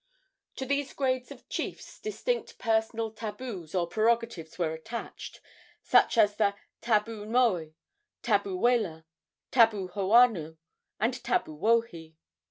To these grades of chiefs distinct personal tabus or prerogatives were attached, such as the tabu moe, tabu wela, tabu hoano and tabu wohi.